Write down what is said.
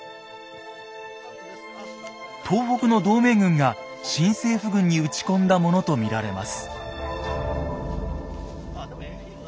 東北の同盟軍が新政府軍に撃ち込んだものと見られます。